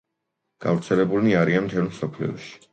გავრცელებულნი არიან მთელ მსოფლიოში.